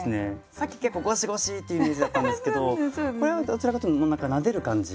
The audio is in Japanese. さっき結構ごしごしってイメージだったんですけどこれはどちらかというともう何かなでる感じ。